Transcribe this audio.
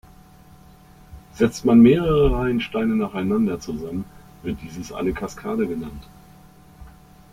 Setzt man mehrere Reihen Steine nacheinander zusammen, wird dieses eine „Kaskade“ genannt.